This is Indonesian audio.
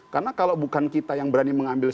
karena kalau bukan kita yang berani mengambil sikap